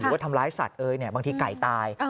หรือว่าทำร้ายสัตว์เอยบางทีไก่ตาย